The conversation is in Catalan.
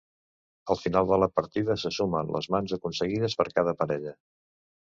Al final de la partida se sumen les mans aconseguides per cada parella.